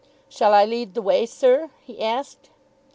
"Shall I lead the way, sir?" he asked.